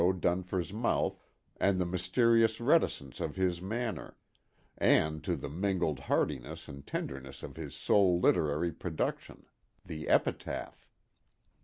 Dunfer's mouth and the mysterious reticence of his manner, and to the mingled hardihood and tenderness of his sole literary production—the epitaph.